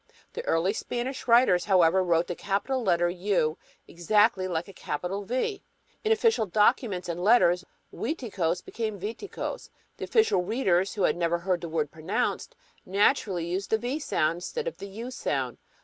The early Spanish writers, however, wrote the capital letter U exactly like a capital V. In official documents and letters Uiticos became Viticos. The official readers, who had never heard the word pronounced, naturally used the V sound instead of the U sound.